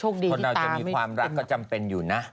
คนเราจะมีความรักก็จำเป็นอยู่นะ